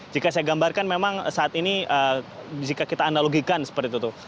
jika saya gambarkan memang saat ini jika kita analogikan seperti itu